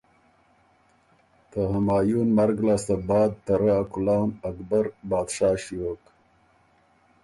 ته همایون مرګ لاسته بعد ته رۀ ا کُلان اکبر بادشاه ݭیوک۔